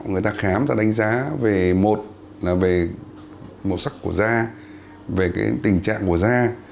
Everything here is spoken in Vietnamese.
người ta khám người ta đánh giá về một là về màu sắc của da về cái tình trạng của da